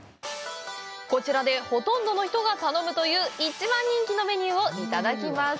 こちらで、ほとんどの人が頼むという一番人気のメニューをいただきます。